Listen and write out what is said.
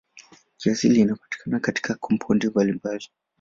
Kiasili inapatikana katika kampaundi mbalimbali.